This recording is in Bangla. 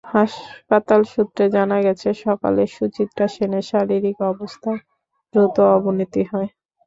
হাসপাতাল সূত্রে জানা গেছে, সকালে সুচিত্রা সেনের শারীরিক অবস্থার দ্রুত অবনতি হয়।